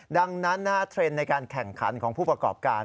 ดังนั้นเทรนด์ในการแข่งขันของผู้ประกอบการ